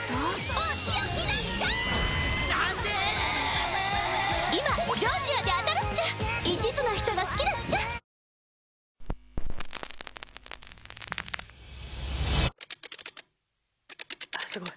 あっすごい。